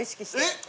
えっ！